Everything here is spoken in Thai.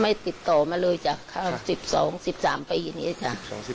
ไม่ติดต่อมาเลยจ๊ะครบ๑๒๑๓ปีนี้จ๊ะ